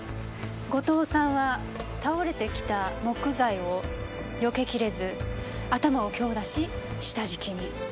後藤さんは倒れてきた木材をよけきれず頭を強打し下敷きに。